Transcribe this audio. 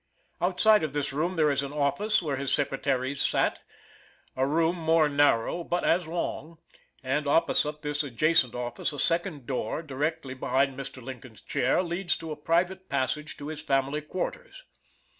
Outside of this room there is an office, where his secretaries sat a room more narrow but as long and opposite this adjacent office, a second door, directly behind Mr. Lincoln's chair leads by a private passage to his family quarters.